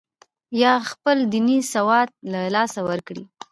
یا خپل دیني سواد له لاسه ورکړي.